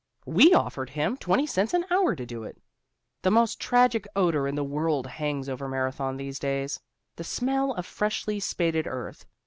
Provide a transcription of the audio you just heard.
We offered him twenty cents an hour to do it. The most tragic odor in the world hangs over Marathon these days; the smell of freshly spaded earth.